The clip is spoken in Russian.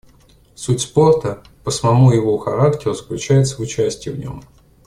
Суть спорта по самому его характеру заключается в участии в нем.